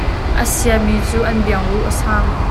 a sia mi cu an biang ruh a sang.